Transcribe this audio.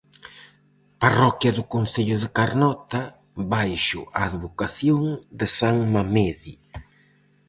Parroquia do concello de Carnota baixo a advocación de san Mamede.